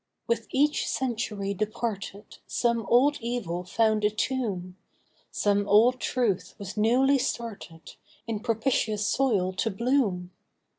With each century departed Some old evil found a tomb, Some old truth was newly started In propitious soil to bloom.